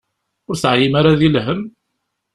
Ur teɛyim ara di lhemm?